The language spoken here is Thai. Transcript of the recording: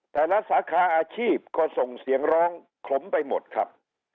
แต่ละสาขาอาชีพก็ส่งเสียงร้องขลมไปหมดครับ